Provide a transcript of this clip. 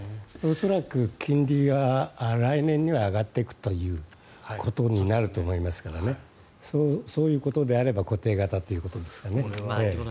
恐らく金利は来年には上がっていくということになると思いますからそういうことであれば固定型ということですかね。